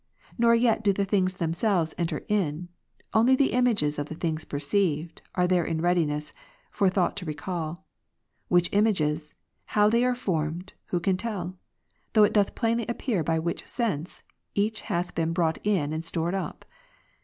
Nor yet do the things them selves enter in ; only the images of the things perceived, are there in readiness, for thought to recall. Which images, how they are formed, who can tell, though it doth plainly appear by which sense each hath been brought in and stored up